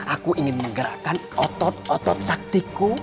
aku ingin menggerakkan otot otot saktiku